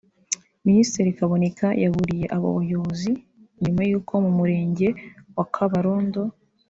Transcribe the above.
Minisitiri Kaboneka yaburiye abo bayobozi nyuma y’uko mu Murenge wa Kabarondo